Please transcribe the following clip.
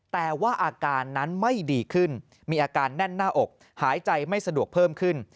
แต่ว่าอาการนั้นไม่ดีขึ้นมีอาการแน่นหน้าอกหายใจไม่สะดวกเพิ่มขึ้น